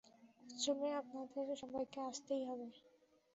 উৎসবে আপনাদের সবাইকে আসতেই হবে।